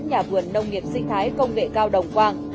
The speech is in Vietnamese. nhà vườn nông nghiệp sinh thái công nghệ cao đồng quang